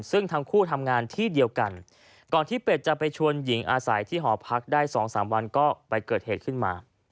ซึ่งทั้งคู่ทำงานที่เดียวกันก่อนที่เป็ดจะไปชวนหญิงอาศัยที่หอพักได้๒๓วันก็ไปเกิดเหตุขึ้นมา